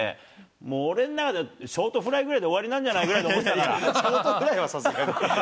もう俺の中では、ショートフライぐらいで終わりなんじゃないかぐらいに思ってたかショートぐらいはさすがに。